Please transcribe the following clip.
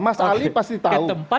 mas ali pasti tahu